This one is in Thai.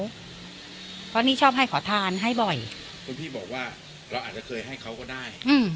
เพราะนี่ชอบให้ขอทานให้บ่อยคุณพี่บอกว่าเราอาจจะเคยให้เขาก็ได้อืม